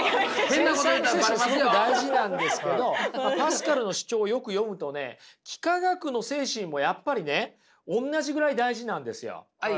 繊細の精神すごく大事なんですけどパスカルの主張をよく読むとね幾何学の精神もやっぱりねおんなじぐらい大事なんですよ。